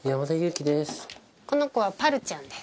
この子はパルちゃんです。